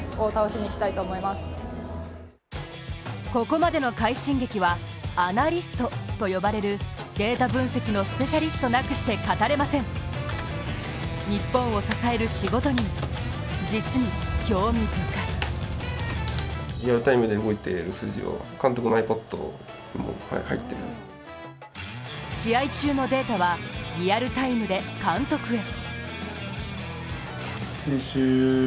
ここまでの快進撃は、アナリストと呼ばれるデータ分析のスペシャリストなくして語れません日本を支える仕事人、実に興味深い試合中のデータはリアルタイムで監督へ。